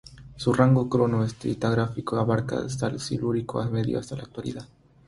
Su rango cronoestratigráfico abarca desde el Silúrico medio hasta la Actualidad.